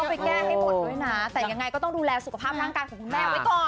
ไปแก้ให้หมดด้วยนะแต่ยังไงก็ต้องดูแลสุขภาพร่างกายของคุณแม่ไว้ก่อน